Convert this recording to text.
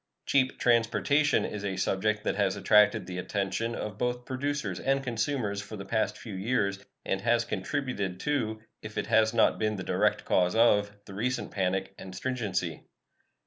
"Cheap transportation" is a subject that has attracted the attention of both producers and consumers for the past few years, and has contributed to, if it has not been the direct cause of, the recent panic and stringency.